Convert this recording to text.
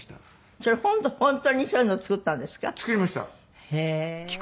それ本当にそういうのを作ったんですか？